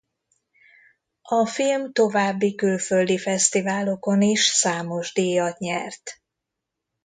A film további külföldi fesztiválokon is számos díjat nyert.